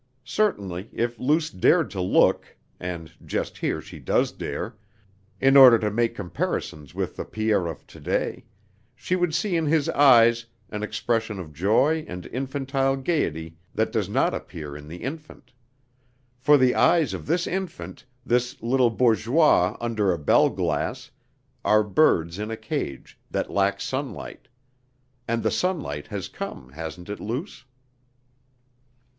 Certainly if Luce dared to look (and just here she does dare) in order to make comparisons with the Pierre of today, she would see in his eyes an expression of joy and infantile gayety that does not appear in the infant: for the eyes of this infant, this little bourgeois under a bell glass, are birds in a cage that lack sunlight; and the sunlight has come, hasn't it, Luce?...